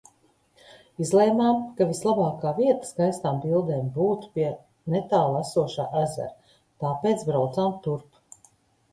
Izlēmām, ka vislabākā vieta skaistām bildēm būtu pie netālu esošā ezera, tāpēc braucām turp.